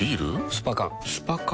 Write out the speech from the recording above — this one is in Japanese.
スパ缶スパ缶？